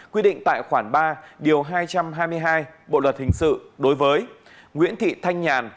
quy định tại khoản ba điều hai trăm hai mươi hai bộ luật hình sự đối với nguyễn thị thanh nhàn